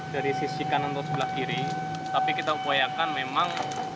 dari sisi kanan atau sebelah kiri tapi kita upayakan memang